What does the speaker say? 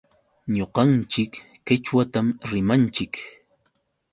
Ñuqanchik qichwatam rimanchik.